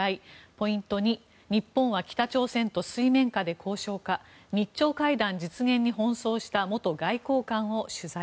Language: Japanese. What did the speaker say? ポイント２、日本は北朝鮮と水面下で交渉か日朝会談実現に奔走した元外交官を取材。